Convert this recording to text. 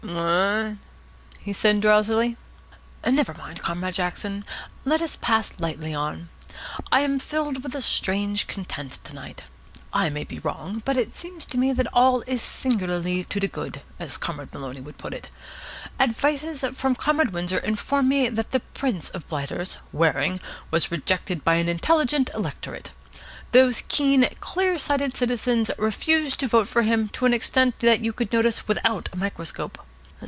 "What?" he said drowsily. "Never mind, Comrade Jackson. Let us pass lightly on. I am filled with a strange content to night. I may be wrong, but it seems to me that all is singularly to de good, as Comrade Maloney would put it. Advices from Comrade Windsor inform me that that prince of blighters, Waring, was rejected by an intelligent electorate. Those keen, clear sighted citizens refused to vote for him to an extent that you could notice without a microscope.